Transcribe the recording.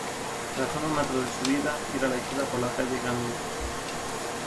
Tras unos metros de subida, gira a la izquierda por la calle Gandhi.